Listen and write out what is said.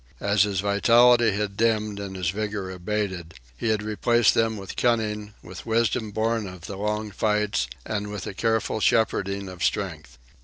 As his vitality had dimmed and his vigour abated, he had replaced them with cunning, with wisdom born of the long fights and with a careful shepherding of strength.